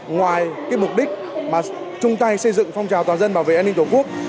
ngoài cái mục đích mà chúng ta xây dựng phòng trò toàn dân bảo vệ an ninh tổ quốc